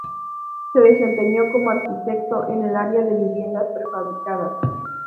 Se desempeñó como arquitecto en el área de viviendas prefabricadas.